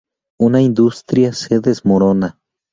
Una industria se desmorona